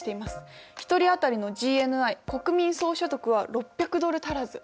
１人当たりのＧＮＩ国民総所得は６００ドル足らず。